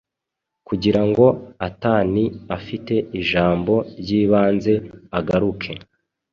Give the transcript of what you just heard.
Kugirango atani afite ijambo ryibanze agaruke